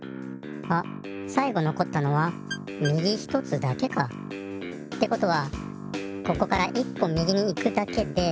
あっさい後のこったのはみぎ一つだけか。ってことはここから一歩みぎに行くだけで。